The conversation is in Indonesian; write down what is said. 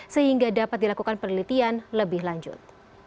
sehingga dapat dilakukan penelitian lebih lanjut